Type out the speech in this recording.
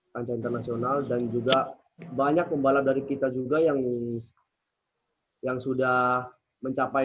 dan juga banyak pembalap dari kita juga yang sudah mencapai